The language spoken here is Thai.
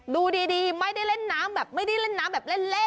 ดูดีไม่อยากเล่นน้ำแบบเล่นนะ